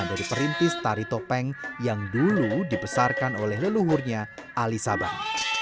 dari perintis tari topeng yang dulu dibesarkan oleh leluhurnya ali sabang